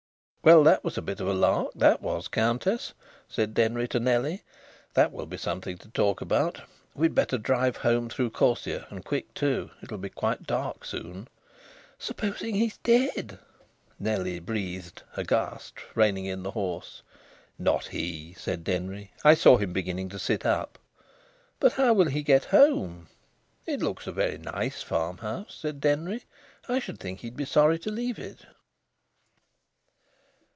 "Well, that was a bit of a lark, that was, Countess!" said Denry to Nellie. "That will be something to talk about. We'd better drive home through Corsier, and quick too! It'll be quite dark soon." "Supposing he's dead!" Nellie breathed, aghast, reining in the horse. "Not he!" said Denry. "I saw him beginning to sit up." "But how will he get home?" "It looks a very nice farmhouse," said Denry. "I should think he'd be sorry to leave it."